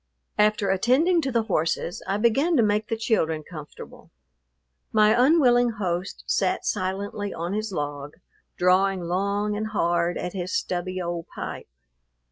After attending to the horses I began to make the children comfortable. My unwilling host sat silently on his log, drawing long and hard at his stubby old pipe.